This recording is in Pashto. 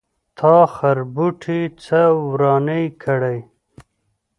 تا خربوټي څه ورانی کړی.